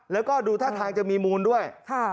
แล้วก็ดูท่าทางจะมีมูลด้วย